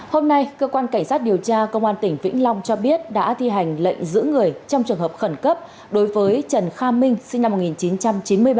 hôm nay cơ quan cảnh sát điều tra công an tỉnh vĩnh long cho biết đã thi hành lệnh giữ người trong trường hợp khẩn cấp đối với trần kha minh sinh năm một nghìn chín trăm chín mươi ba